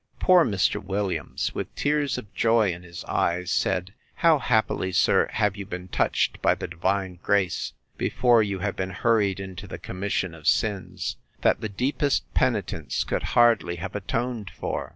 Poor Mr. Williams, with tears of joy in his eyes, said, How happily, sir, have you been touched by the divine grace, before you have been hurried into the commission of sins, that the deepest penitence could hardly have atoned for!